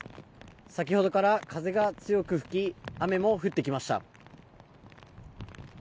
先ほどから風が強く吹き雨も降ってきました。